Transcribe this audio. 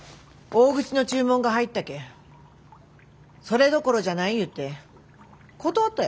大口の注文が入ったけんそれどころじゃない言うて断ったやろ。